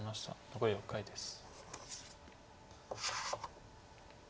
残り６回です。